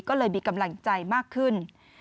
ก็เลยมีกำลังใจมากขึ้น